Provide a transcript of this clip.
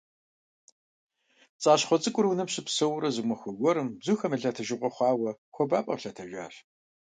ПцӀащхъуэ цӀыкӀур унэм щыпсэууэрэ, зы махуэ гуэрым, бзухэм я лъэтэжыгъуэ хъуауэ, хуэбапӀэм лъэтэжащ.